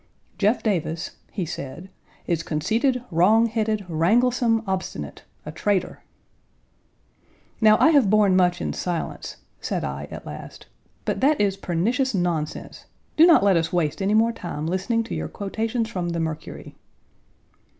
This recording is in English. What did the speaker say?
"Jeff Davis," he said, "is conceited, wrong headed, wranglesome, obstinate a traitor." "Now I have borne much in silence," said I at last, "but that is pernicious nonsense. Do not let us waste any more time listening to your quotations from the Mercury."